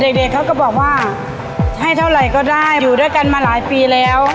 เด็กเด็กเขาก็บอกว่าให้เท่าไหร่ก็ได้อยู่ด้วยกันมาหลายปีแล้ว